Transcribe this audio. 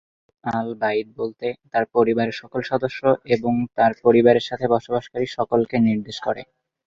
কোনো ব্যক্তির 'আহল আল-বাইত' বলতে তার পরিবারের সকল সদস্য এবং তার পরিবারের সাথে বসবাসকারী সকলকে নির্দেশ করে।